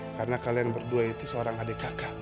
karena kalian berdua itu seorang adik kakak